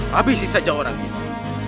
habisi saja orang itu